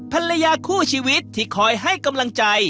ภรรยาคู่ชีวิตที่คอยให้กำลังใจ